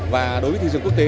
và đối với thị trường quốc tế